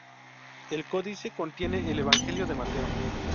El codice contiene el Evangelio de Mateo.